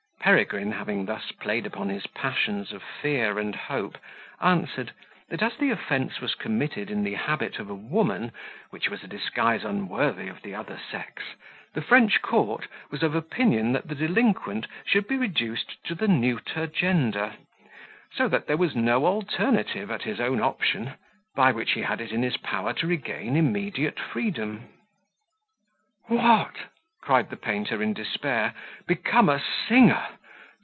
Peregrine, having thus played upon his passions of fear and hope, answered, "that as the offence was committed in the habit of a woman, which was a disguise unworthy of the other sex, the French court was of opinion that the delinquent should be reduced to the neuter gender; so that there was no alternative at his own option, by which he had it in his power to regain immediate freedom." "What!" cried the painter, in despair, "become a singer?